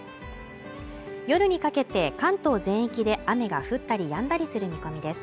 夜にかけて関東全域で雨が降ったりやんだりする見込みです